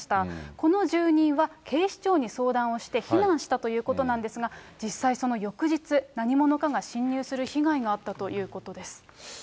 この住人は、警視庁に相談をして避難したということなんですが、実際、その翌日、何者かが侵入する被害があったということです。